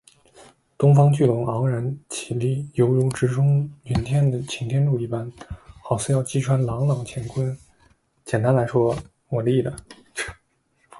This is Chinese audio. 东方巨龙昂然起立，犹如直冲云天的擎天柱一般，好似要击穿朗朗乾坤，简单来说，我立了